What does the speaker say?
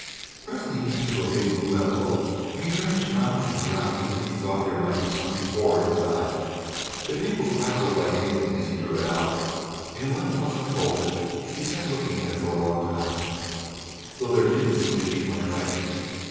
Presently he came to a big blue envelope, and he turned this round and round as if he thought there might be something horrid inside. The paper crackled like anything as he drew it out, and when it was unfolded he sat looking at it for a long time, though there didn't seem to be much writing.